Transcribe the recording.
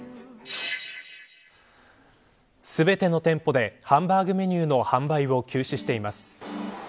全ての店舗でハンバーグメニューの販売を休止しています。